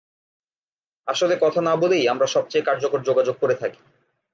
আসলে কথা না বলেই আমরা সবচেয়ে কার্যকর যোগাযোগ করে থাকি।